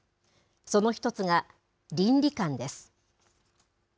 その一つが、倫理観です。